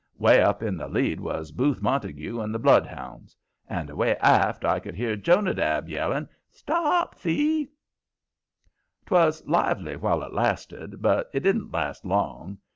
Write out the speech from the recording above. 'Way up in the lead was Booth Montague and the bloodhounds, and away aft I could hear Jonadab yelling: "Stop thief!" 'Twas lively while it lasted, but it didn't last long.